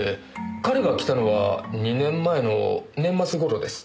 彼が来たのは２年前の年末頃です。